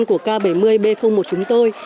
của k bảy mươi b một chúng tôi